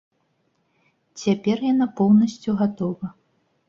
Цяпер яна поўнасцю гатова.